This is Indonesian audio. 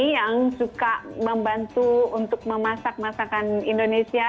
yang suka membantu untuk memasak masakan indonesia